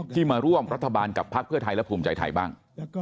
ที่มาร่วมรัฐบาลกับพักเพื่อไทยและภูมิใจไทยบ้าง